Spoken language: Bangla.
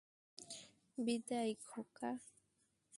বিদায়, খোকা।